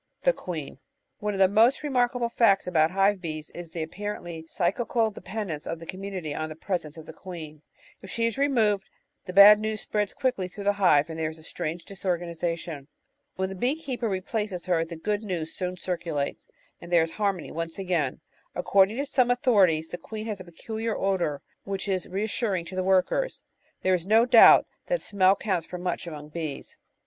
The Queen One of the most remarkable facts about hive bees is the apparently psychical dependence of the commiuiity on the pres ence of the queen. If she is removed, the bad news spreads quickly through the hive and there is a strange disorganisation. When the bee keeper replaces her, the good news soon circulates, and there is harmony once more. According to some authorities, the queen has a peculiar odour which is reassuring to the workers. There is no doubt that smell counts for much among bees.